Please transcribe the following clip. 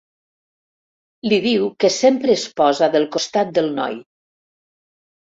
Li diu que sempre es posa del costat del noi.